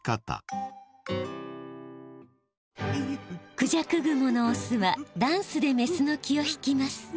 クジャクグモのオスはダンスでメスの気を引きます。